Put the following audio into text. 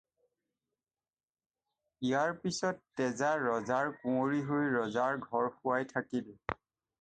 ইয়াৰ পিছত তেজা ৰজাৰ কুঁৱৰী হৈ ৰজাৰ ঘৰ শুৱাই থাকিল।